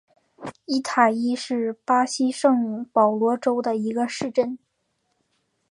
伊塔伊是巴西圣保罗州的一个市镇。